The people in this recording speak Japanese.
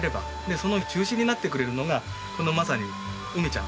その中心になってくれるのがこのまさに梅ちゃん。